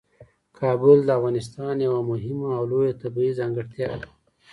کابل د افغانستان یوه مهمه او لویه طبیعي ځانګړتیا ده.